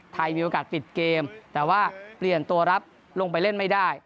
มีโอกาสปิดเกมแต่ว่าเปลี่ยนตัวรับลงไปเล่นไม่ได้